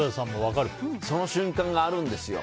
その瞬間があるんですよ。